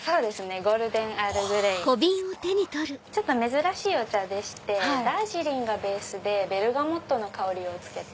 珍しいお茶でしてダージリンがベースでベルガモットの香りをつけた。